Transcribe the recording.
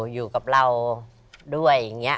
อยู่กับเราด้วย